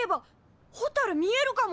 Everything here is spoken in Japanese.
ホタル見えるかも！